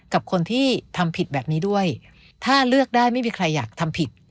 กับคนที่ทำผิดแบบนี้ด้วยถ้าเลือกได้ไม่มีใครอยากทำผิด